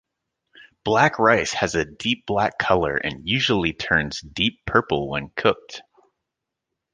Black rice has a deep black color and usually turns deep purple when cooked.